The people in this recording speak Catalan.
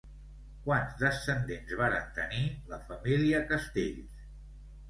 Quants descendents varen tenir la família Castells?